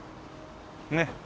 ねっ。